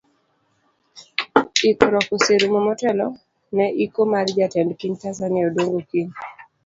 Ikruok oserumo motelo ne iko mar jatend piny tanzania Odongo kiny.